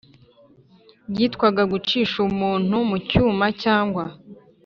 byitwaga gucisha umuntu mu cyuma cyangwa